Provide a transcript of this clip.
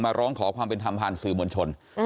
ร้องขอความเป็นธรรมผ่านสื่อมวลชน